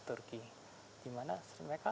turki dimana mereka